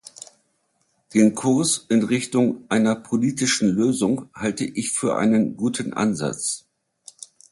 Den Kurs in Richtung einer politischen Lösung halte ich für einen guten Ansatz.